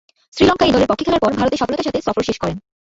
Sri Lanka A দলের পক্ষে খেলার পর ভারতে সফলতার সাথে সফর শেষ করেন।